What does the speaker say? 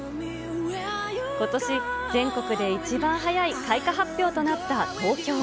ことし、全国で一番早い開花発表となった東京。